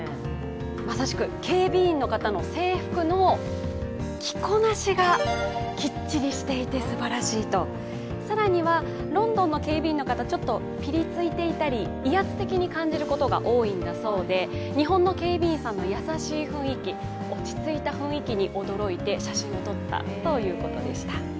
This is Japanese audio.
まさしく、警備員の方の制服の着こなしがきっちりしていてすばらしいと、更には、ロンドンの警備員の方ちょっとピリついていたり、威圧的に感じることが多いそうで日本の警備員さんの優しい雰囲気落ち着いた雰囲気に驚いて、写真を撮ったということでした。